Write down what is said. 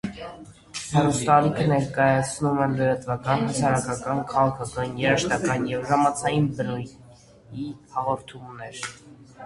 Հեռուստաալիքը ներկայացնում է լրատվական, հասարակական, քաղաքական, երաժշտական, և ժամանցային բնույի հաղորդումներ։